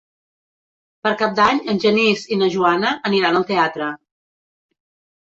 Per Cap d'Any en Genís i na Joana aniran al teatre.